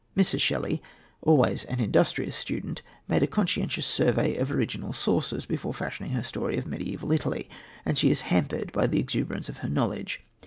Mrs. Shelley, always an industrious student, made a conscientious survey of original sources before fashioning her story of mediaeval Italy, and she is hampered by the exuberance of her knowledge.